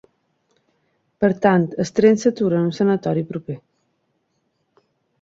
Per tant, el tren s'atura en un sanatori proper.